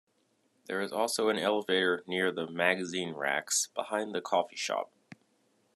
There is also an elevator near the magazine racks, behind the coffee shop.